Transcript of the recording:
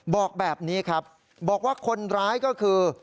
บอกแบบนี้ครับบอกว่าคนร้ายก็คือ